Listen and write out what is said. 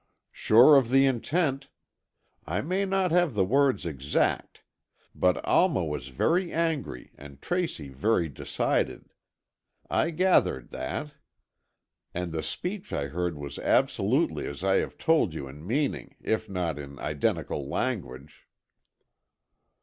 "Sure of the intent. I may not have the words exact. But Alma was very angry and Tracy very decided. I gathered that. And the speech I heard was absolutely as I have told you in meaning, if not in identical language."